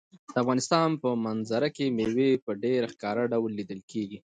د افغانستان په منظره کې مېوې په ډېر ښکاره ډول لیدل کېږي.